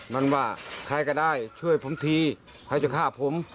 มันว่าใครก็ได้ช่วยผมทีใครจะฆ่าผม